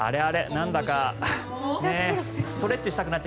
なんだかストレッチしたくなって